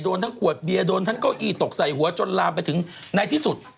โดนทั้งขวดเบียร์โดนทั้งเก้าอี้ตกใส่หัวจนลามไปถึงในที่สุด